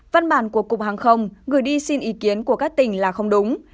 văn bản của cục hàng không gửi đi xin ý kiến của các tỉnh là không đúng